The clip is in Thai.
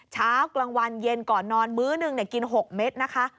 เช้ากลางวันเย็นก่อนนอนมื้อหนึ่งกิน๖เม็ดนะคะ